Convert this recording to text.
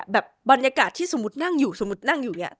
แบบบรรยากาศที่สมมุตินั่งอยู่สมมุตินั่งอยู่เนี่ย